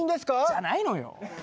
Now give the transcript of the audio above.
じゃないのよ。